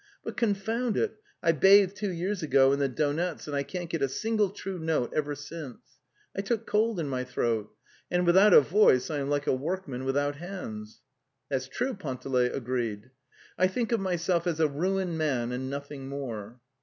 But, confound it, I bathed two years ago in the Donets, and I can't get a single note true ever since. I took cold in my throat. And without a voice I am like a workman without hands." elthat struc, '/Panteley aoreed. "T think of myself as a ruined man and nothing more."